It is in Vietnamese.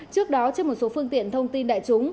trước đó trên một số phương tiện thông tin đại chúng